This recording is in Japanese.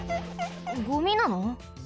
ゴミなの？